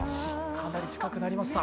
かなり近くなりました。